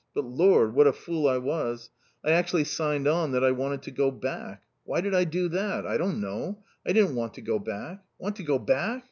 But lor, what a fool I was! I actually signed on that I wanted to go back. Why did I do that? I don't know. I didn't want to go back. _Want to go back?